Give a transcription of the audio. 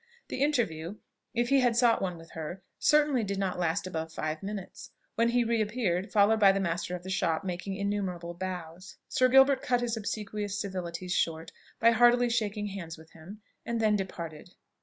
The interview, if he had sought one with her, certainly did not last above five minutes; when he reappeared, followed by the master of the shop making innumerable bows. Sir Gilbert cut his obsequious civilities short by heartily shaking hands with him, and then departed.